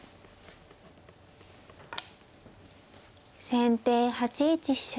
先手８一飛車。